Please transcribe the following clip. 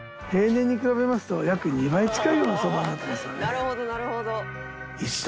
「なるほどなるほど」